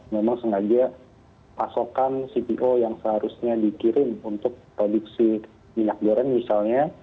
memang sengaja pasokan cpo yang seharusnya dikirim untuk produksi minyak goreng misalnya